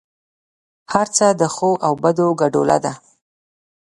هر څه د ښو او بدو ګډوله ده.